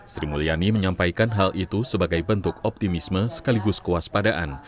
sri mulyani menyampaikan hal itu sebagai bentuk optimisme sekaligus kewaspadaan